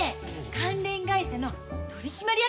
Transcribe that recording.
関連会社の取締役だって！